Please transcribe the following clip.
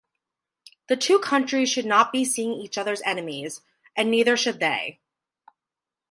The two countries should not be seeing each other enemies, and neither should they.